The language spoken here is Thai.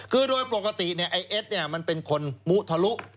คือโดยปกติไอ้เอ็ดมันเป็นคนมุทะลุ